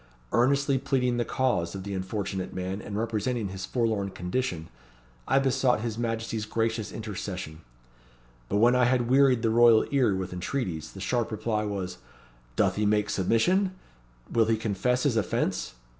Earnestly pleading the cause of the unfortunate man, and representing his forlorn condition, I besought his Majesty's gracious intercession. But when I had wearied the royal ear with entreaties, the sharp reply was 'Doth he make submission? Will he confess his offence?'